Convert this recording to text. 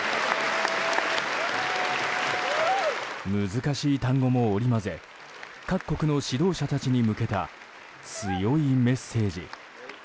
難しい単語も織り交ぜ各国の指導者たちに向けた強いメッセージ。